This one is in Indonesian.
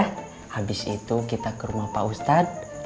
habis itu kita ke rumah pak ustadz